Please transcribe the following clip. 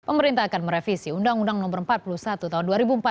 pemerintah akan merevisi undang undang no empat puluh satu tahun dua ribu empat belas